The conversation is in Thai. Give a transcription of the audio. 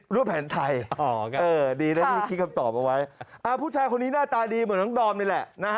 แผนไทยดีนะที่คิดคำตอบเอาไว้ผู้ชายคนนี้หน้าตาดีเหมือนน้องดอมนี่แหละนะฮะ